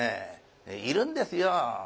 いるんですよ。